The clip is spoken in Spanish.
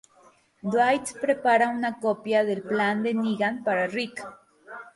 Dwight prepara una copia del plan de Negan para Rick.